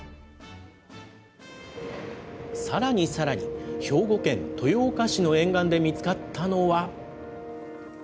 さらにさらに、兵庫県豊岡市の沿岸で見つかったのは。